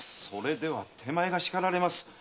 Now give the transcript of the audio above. それでは手前が叱られます。